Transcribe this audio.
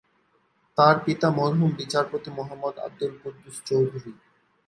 তার পিতা মরহুম বিচারপতি মোহাম্মদ আবদুল কুদ্দুস চৌধুরী।